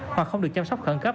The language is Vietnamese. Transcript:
hoặc không được chăm sóc khẩn cấp